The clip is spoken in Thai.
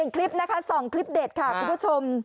คลิปนะคะ๒คลิปเด็ดค่ะคุณผู้ชม